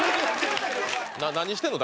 何してんの？